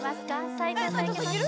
斎藤さんいけますか？